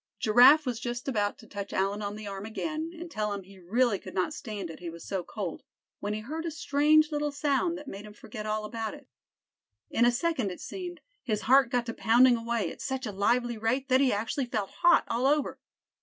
Giraffe was just about to touch Allan on the arm again, and tell him he really could not stand it, he was so cold, when he heard a strange little sound that made him forget all about it. In a second, it seemed, his heart got to pounding away at such a lively rate that he actually felt hot all over.